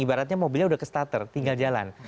ibaratnya mobilnya udah ke starter tinggal jalan